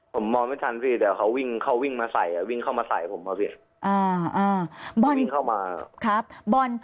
ผมมองไม่ทันสิเดี๋ยวเขาวิ่งเข้าวิ่งมาใส่วิ่งเข้ามาใส่ผมว่าเปลี่ยน